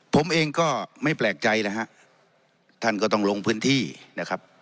ผมเองก็ไม่แปลกใจแล้วฮะท่านก็ต้องลงพื้นที่นะครับ